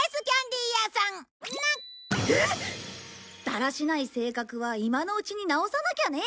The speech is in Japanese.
だらしない性格は今のうちに直さなきゃね。